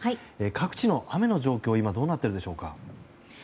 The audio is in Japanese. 各地の雨の状況は今、どうなっているでしょうか。